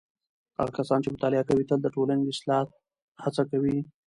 هغه کسان چې مطالعه کوي تل د ټولنې د اصلاح هڅه کوي.